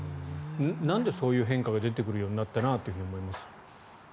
なんでそういう変化が出てくるようになったなと思います？